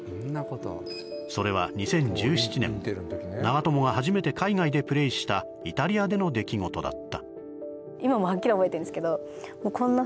それは２０１７年、長友が初めてプレーしたイタリアでの出来事だった。